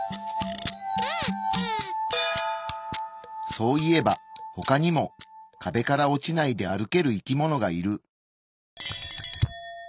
そういえば他にも壁から落ちないで歩ける生き物がいる。